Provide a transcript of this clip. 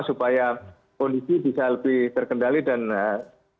supaya kondisi bisa lebih terkendali dan menetralisasi keadaan